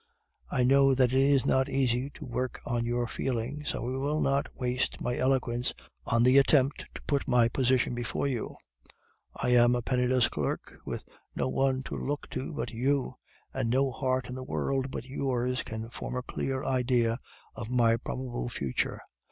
'I know that it is not easy to work on your feelings, so I will not waste my eloquence on the attempt to put my position before you I am a penniless clerk, with no one to look to but you, and no heart in the world but yours can form a clear idea of my probable future.